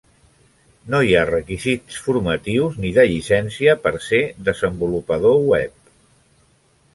No hi ha requisits formatius ni de llicència per ser desenvolupador web.